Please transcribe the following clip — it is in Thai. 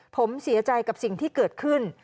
ผมเสียใจกับสิ่งที่เกิดขึ้น